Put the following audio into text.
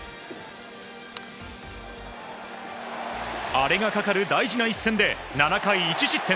アレがかかる大事な一戦で７回１失点。